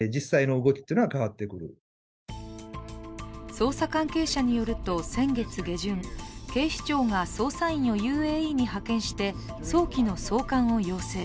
捜査関係者によると、先月下旬、警視庁が捜査員をＵＡＥに派遣して早期の送還を要請。